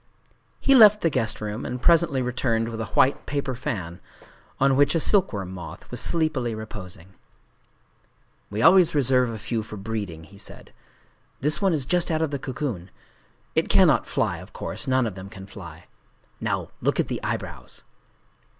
He left the guest room, and presently returned with a white paper fan, on which a silkworm moth was sleepily reposing. "We always reserve a few for breeding," he said;—"this one is just out of the cocoon. It cannot fly, of course: none of them can fly…. Now look at the eyebrows."